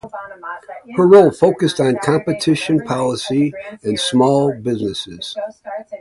Her role focused on competition policy and small businesses.